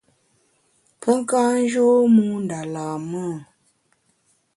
Pe ka njô mû nda lam-e ?